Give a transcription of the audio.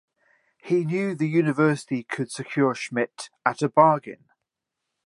He knew the University could secure Schmidt at a bargain.